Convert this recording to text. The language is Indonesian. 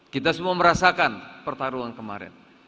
kita semua merasakan pertarungan kemarin